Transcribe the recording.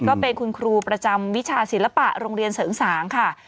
ก็เป็นคุณครูประจำวิชาศิลปะโรงเรียนเสริงสางค่ะ